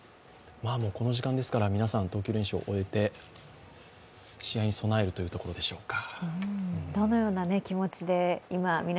この時間ですから、皆さん投球練習を終えて試合に備えるというところでしょうか。